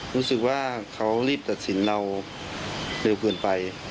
รู้สึกว่าเขารีบตัดสินเราเร็วเกินไป